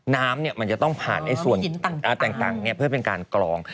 น้ำมันจะต้องผ่านส่วนต่างเพื่อเป็นการกรอง